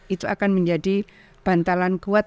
itu akan menjadi bantalan kuat